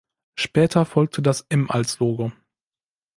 Später folgte das „M“ als Logo.